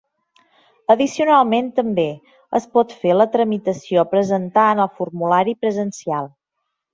Addicionalment, també es pot fer la tramitació presentant el formulari presencial.